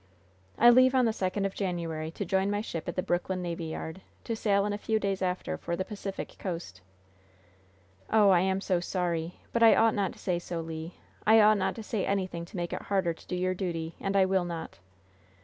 "I leave on the second of January, to join my ship at the Brooklyn Navy Yard, to sail in a few days after for the Pacific coast." "Oh, I am so sorry! But I ought not to say so, Le. I ought not to say anything to make it harder to do your duty, and I will not."